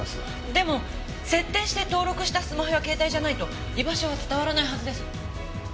でも設定して登録したスマホや携帯じゃないと居場所は伝わらないはずです。